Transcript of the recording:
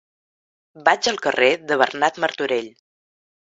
Vaig al carrer de Bernat Martorell.